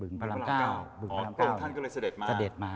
บึงพระรำกล้าวเอิ่มพระองค์ท่านก็เลยเสด็จมา